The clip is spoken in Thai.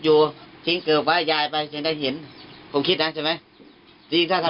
อยู่ทิ้งเกิบไว้ยายไปยังได้เห็นคงคิดนะใช่ไหมจริงจริงถ้า